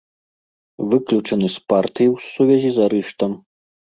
Выключаны з партыі ў сувязі з арыштам.